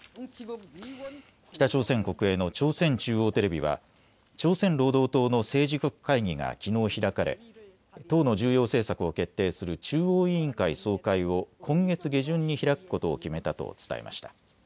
北朝鮮国営の朝鮮中央テレビは朝鮮労働党の政治局会議がきのう開かれ、党の重要政策を決定する中央委員会総会を今月下旬に開くことを決めたと伝えました。